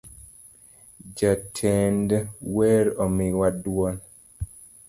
Jatend wer omiwa duol